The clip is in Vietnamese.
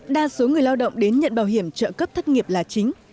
đa số người lao động đến nhận bảo hiểm trợ cấp thất nghiệp là chính